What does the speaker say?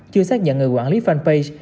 chưa xác nhận người quản lý fanpage